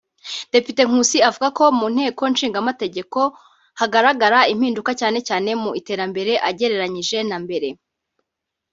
Depite Nkusi avuga ko mu nteko ishinga amategeko hagaragara impinduka cyane cyane mu iterambere agereranije na mbere